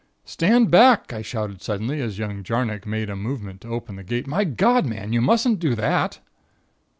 "'Stand back!' I shouted suddenly as young Jarnock made a movement to open the gate. 'My God, man! you mustn't do that!'